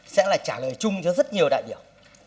sẽ là trả lời chung cho rất nhiều đại biểu